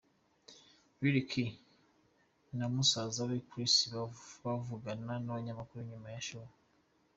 Lil Key na musaza we Chis bavugana n'abanyamakuru nyuma ya show.